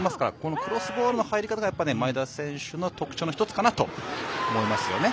クロスボールの入り方が前田選手の特徴の１つだと思います。